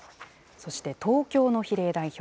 そして東京の比例代表。